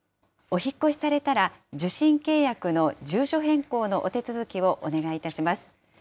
お引っ越しされたら、受信契約の住所変更のお手続きをお願いいたします。